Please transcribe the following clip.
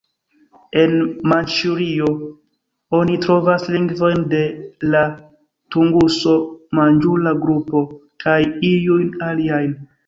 En Manĉurio oni trovas lingvojn de la Tunguso-manĝura grupo kaj iujn aliajn.